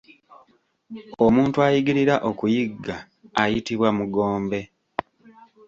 Omuntu ayigirira okuyigga ayitibwa mugombe